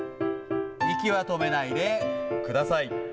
息は止めないでください。